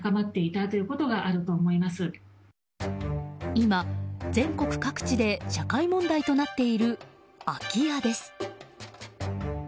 今、全国各地で社会問題となっている空き家です。